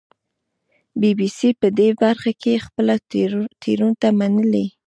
بي بي سي په دې برخه کې خپله تېروتنه منلې